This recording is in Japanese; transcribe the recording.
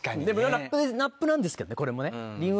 ラップなんですけどねこれもね。